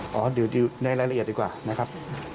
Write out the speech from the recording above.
ปอล์กับโรเบิร์ตหน่อยไหมครับ